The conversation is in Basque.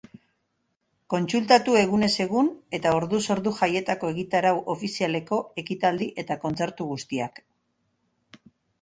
Kontsultatu egunez egun eta orduz ordu jaietako egitarau ofizialeko ekitaldi eta kontzertu guztiak.